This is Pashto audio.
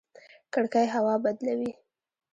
کړکۍ هوا بدلوي